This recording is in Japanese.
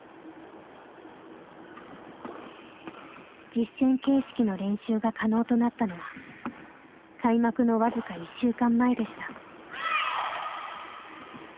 実戦形式の練習が可能となったのは開幕の僅か１週間前でした。